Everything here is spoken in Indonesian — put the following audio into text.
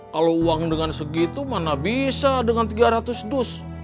kalau uang dengan segitu mana bisa dengan tiga ratus dus